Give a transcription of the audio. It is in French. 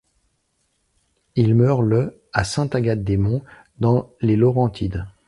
Il meurt le à Sainte-Agathe-des-Monts, dans Les Laurentides.